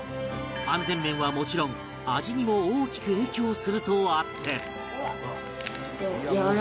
安全面はもちろん味にも大きく影響するとあって